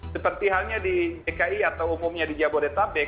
seperti halnya di dki atau umumnya di jabodetabek